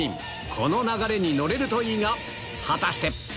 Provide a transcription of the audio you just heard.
この流れに乗れるといいが果たして？